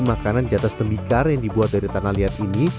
makanan diatas tembikar yang dibuat dari tanah liat ini